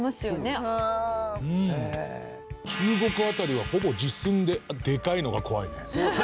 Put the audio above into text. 中国あたりはほぼ実寸でデカいのが怖いね。